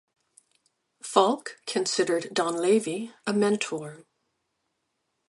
Falk considered Donlavey a mentor.